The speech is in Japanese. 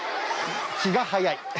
気が早い。